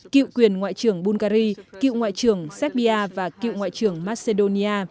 cựu quyền ngoại trưởng bulgari cựu ngoại trưởng serbia và cựu ngoại trưởng macedonia